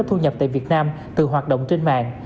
thu nhập tại việt nam từ hoạt động trên mạng